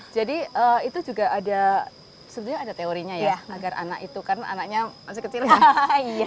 jadi itu juga ada sebetulnya ada teorinya ya agar anak itu karena anaknya masih kecil ya